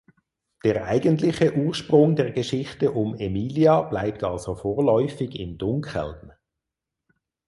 Der eigentliche Ursprung der Geschichte um Emilia bleibt also vorläufig im Dunkeln.